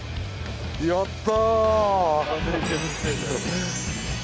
やった！